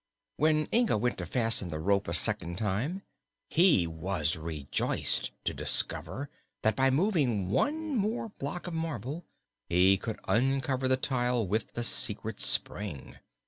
When Inga went to fasten the rope a second time he was rejoiced to discover that by moving one more block of marble he could uncover the tile with the secret spring.